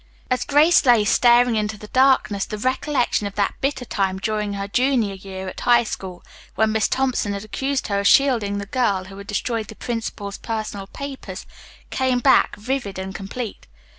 As Grace lay staring into the darkness the recollection of that bitter time during her junior year at high school, when Miss Thompson had accused her of shielding the girl who had destroyed the principal's personal papers, came back, vivid and complete.